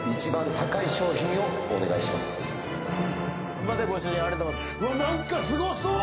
すいませんご主人ありがとうございます。